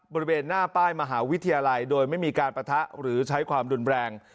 บริเวณหน้าป้ายมหาวิทยาลัยโดยไม่มีการปะทะหรือใช้ความรุนแรง